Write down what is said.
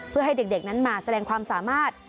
เพื่อให้เด็กนั้นมาแสดงความสามารถ